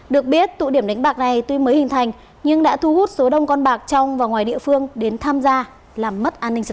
được biết tụ điểm đánh bạc này tuy mới hình thành nhưng đã thu hút số đông con bạc trong và ngoài địa phương đến tham gia làm mất an ninh trật tự